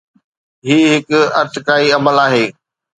هي هڪ ارتقائي عمل آهي.